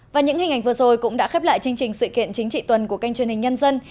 và những hình ảnh vừa rồi cũng đã khép lại chương trình sự kiện chính trị tuần của kênh truyền hình nhân dân